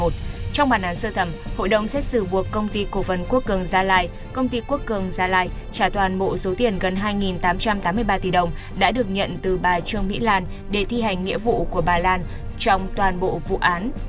trong bản án sơ thẩm hội đồng xét xử buộc công ty cổ phần quốc cường gia lai công ty quốc cường gia lai trả toàn bộ số tiền gần hai tám trăm tám mươi ba tỷ đồng đã được nhận từ bà trương mỹ lan để thi hành nghĩa vụ của bà lan trong toàn bộ vụ án